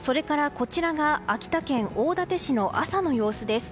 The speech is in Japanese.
こちらが秋田県大館市の朝の様子です。